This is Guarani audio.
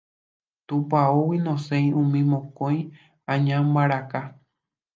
Tupãógui noséi umi mokõi añambaraka.